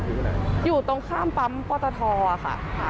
อยู่ไหนอยู่ตรงข้ามปั๊มป้อตทอค่ะค่ะ